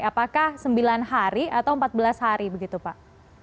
apakah sembilan hari atau empat belas hari begitu pak